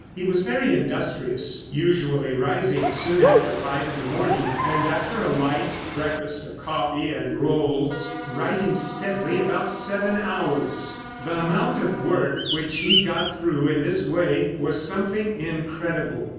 He was very industrious, usually rising soon after five in the morning, and, after a light breakfast of coffee and rolls, writing steadily about seven hours. The amount of work which he got through in this way was something incredible.